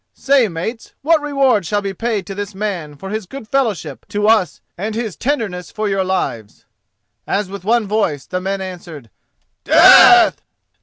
Say, mates, what reward shall be paid to this man for his good fellowship to us and his tenderness for your lives?" As with one voice the men answered "_Death!